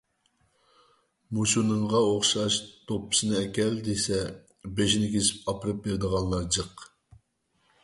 مۇشۇنىڭغا ئوخشاش «دوپپىسىنى ئەكەل» دېسە، بېشىنى كېسىپ ئاپىرىپ بېرىدىغانلار جىق.